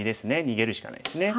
逃げるしかないですね。